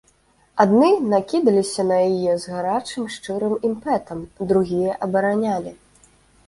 Адны накідаліся на яе з гарачым, шчырым імпэтам, другія абаранялі.